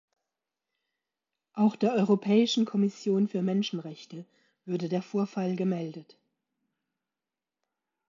Auch der Europäischen Kommission für Menschenrechte würde der Vorfall gemeldet.